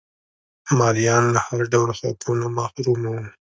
مریان له هر ډول حقونو محروم وو